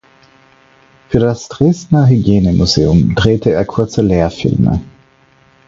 Für das Dresdner Hygienemuseum drehte er kurze Lehrfilme.